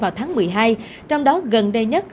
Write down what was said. vào tháng một mươi hai trong đó gần đây nhất